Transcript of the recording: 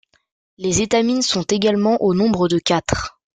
Les étamines sont également au nombre de quatre.